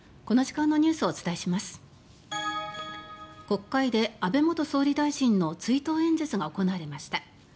国会で安倍元総理大臣の追悼演説が行われました。